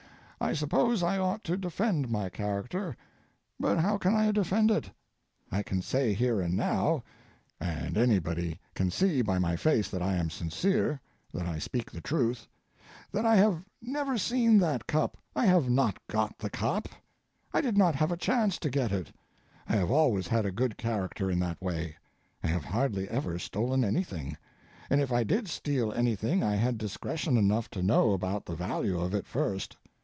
I suppose I ought to defend my character, but how can I defend it? I can say here and now—and anybody can see by my face that I am sincere, that I speak the truth—that I have never seen that Cup. I have not got the Cup—I did not have a chance to get it. I have always had a good character in that way. I have hardly ever stolen anything, and if I did steal anything I had discretion enough to know about the value of it first.